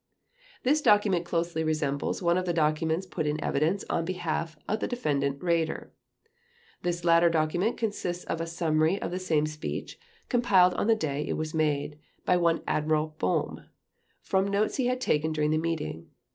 This document closely resembles one of the documents put in evidence on behalf of the Defendant Raeder. This latter document consists of a summary of the same speech, compiled on the day it was made, by one Admiral Boehm, from notes he had taken during the meeting.